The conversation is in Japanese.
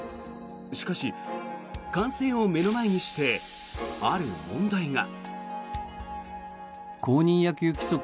しかし、完成を目の前にしてある問題が。